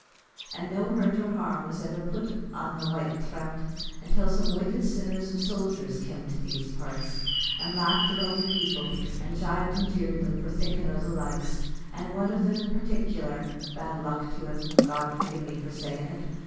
and no hurt nor harm was iver put an the white throut, until some wicked sinners of sojers kem to these parts, and laughed at all the people, and gibed and jeered them for thinkin' o' the likes; and one o' them in partic'lar (bad luck to him; God forgi' me for saying it!)